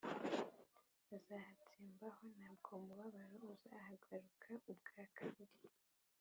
Azahatsembaho ntabwo umubabaro uzahagaruka ubwa kabiri